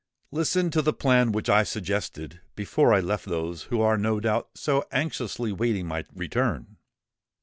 Listen to the plan which I suggested before I left those who are no doubt so anxiously waiting my return.